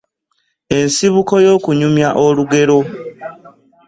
Ensibuko y’okunyumya olugero.